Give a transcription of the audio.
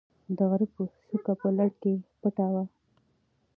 د غره څوکه په لړه کې پټه وه.